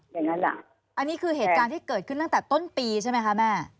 อย่างนั้นล่ะอันนี้คือเหตุการณ์ที่เกิดขึ้นตั้งแต่ต้นปีใช่ไหมคะแม่